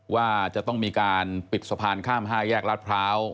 ว่าจะต้องมีการปิดสะพานข้าม๕แยกรัฐพร้าว